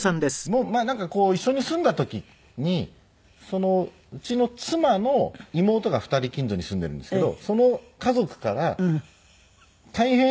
まあなんか一緒に住んだ時にうちの妻の妹が２人近所に住んでるんですけどその家族から「大変だよ」って言われてたんですよ。